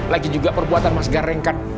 lagi juga perbuatan mas gareng kan